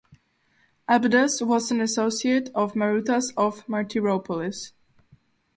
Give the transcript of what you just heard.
Abdas was an associate of Maruthas of Martyropolis.